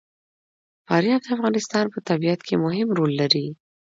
فاریاب د افغانستان په طبیعت کې مهم رول لري.